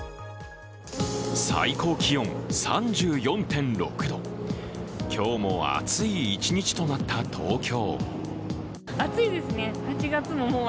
最高気温３４．６度今日も暑い一日となった東京。